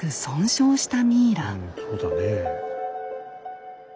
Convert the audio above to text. うんそうだねえ。